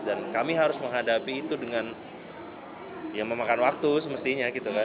dan kami harus menghadapi itu dengan ya memakan waktu semestinya gitu kan